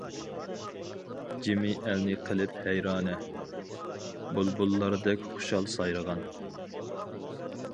جىمى ئەلنى قىلىپ ھەيرانە، بۇلبۇللاردەك خۇشال سايرىغان.